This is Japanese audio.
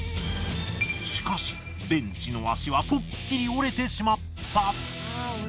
しかしベンチの足はポッキリ折れてしまった。